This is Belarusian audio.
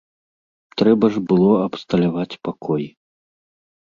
Трэба ж было абсталяваць пакой.